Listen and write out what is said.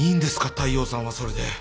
大陽さんはそれで。